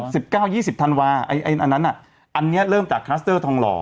สิบเก้ายี่สิบธันวาไอ้ไอ้อันนั้นอ่ะอันเนี้ยเริ่มจากคลัสเตอร์ทองหล่อ